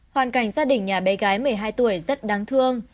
hoàn cảnh gia đình nhà bé gái một mươi hai tuổi rất đáng thương